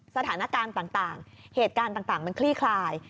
สถานการณ์ต่างเหตุการณ์ต่างมันคลี่คลาย